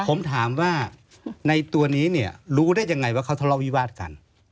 ผมถามว่าในตัวนี้เนี่ยรู้ได้ยังไงว่าเขาทะเลาวิวาสกัน